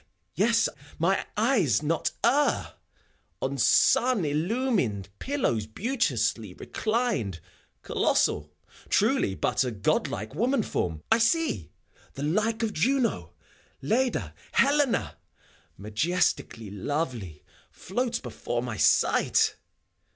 — ^Yes I mine eyes not err !— On sun illumined pillows beauteously reclined, Colossal, truly, but a godlike woman form, I see ! The like of Juno, Leda, Helena, Majestically lovely, floats before my sight!